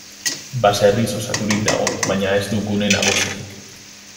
Baserriz osaturik dago, baina ez du gune nagusirik.